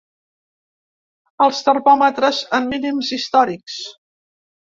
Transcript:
Els termòmetres en mínims històrics.